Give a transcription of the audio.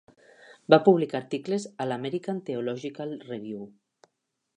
Va publicar articles a la "American Theological Review".